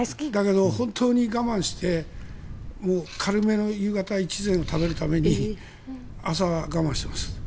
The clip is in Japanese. だけど、本当に我慢して軽めの夕方１膳を食べるために朝は我慢してます。